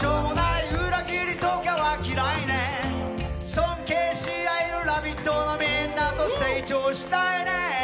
尊敬し合える「ラヴィット！」のみんなと成長したいね。